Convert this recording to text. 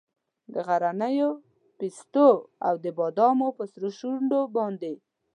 د غرنیو پیستو او د بادامو په سرو شونډو باندې